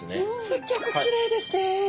すっギョくきれいですね。